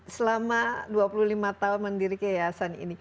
selama dua puluh lima tahun mendiri ke yayasan ini